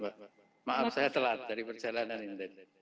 selamat malam maaf saya telat dari perjalanan ini tadi